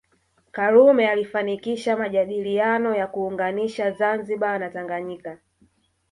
Karume alifanikisha majadiliano ya kuunganisha Zanzibar na Tanganyika